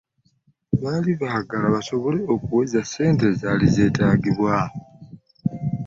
Baali baagala basobole okuweza ssente ezeetaagibwa.